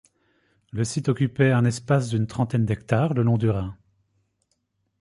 Le site occupait un espace d'une trentaine d'hectares le long du Rhin.